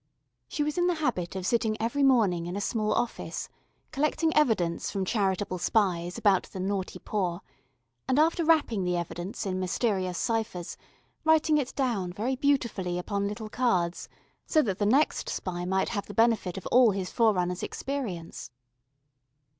She was in the habit of sitting every morning in a small office, collecting evidence from charitable spies about the Naughty Poor, and, after wrapping the evidence in mysterious ciphers, writing it down very beautifully upon little cards, so that the next spy might have the benefit of all his forerunners' experience.